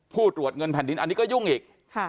ผู้ตรวจเงินแผ่นดินอันนี้ก็ยุ่งอีก